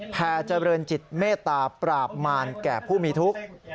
แพรเจริญจิตเมตตาปราบมารแก่ผู้มีทุกข์